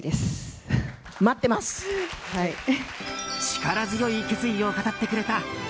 力強い決意を語ってくれた。